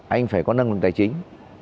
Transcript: anh phải có năng lực tài chính